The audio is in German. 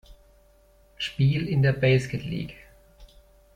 Spiel in der Basket League.